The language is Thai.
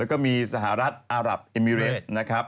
แล้วก็มีสหรัฐอารับเอมิเรสนะครับ